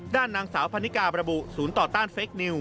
ด้านนางสาวพันนิกาประบุศูนย์ต่อต้านเฟคนิว